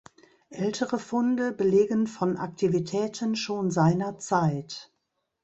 Ältere Funde belegen von Aktivitäten schon seinerzeit.